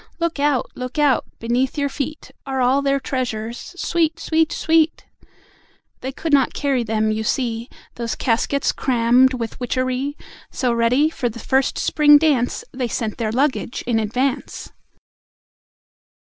Look out! Look out! Beneath your feet, Are all their treasures: Sweet! Sweet! Sweet! They could not carry them, you see, Those caskets crammed with witchery, So ready for the first Spring dance, They sent their Luggage in Advance!"